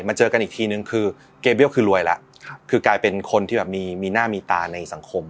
เจอกันอีกทีนึงคือเกเบี้ยคือรวยแล้วคือกลายเป็นคนที่แบบมีหน้ามีตาในสังคม